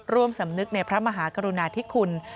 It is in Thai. สำนึกในพระมหากรุณาธิคุณ